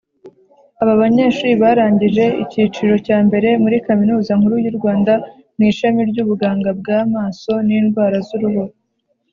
Ababanyeshuri barangije icyicirro cyambere muri kaminuza nkuru yurwanda mwishami ryubuganga bwa maso nindwara zuruhu.